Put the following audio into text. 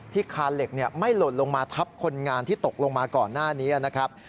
คานเหล็กไม่หล่นลงมาทับคนงานที่ตกลงมาก่อนหน้านี้นะครับ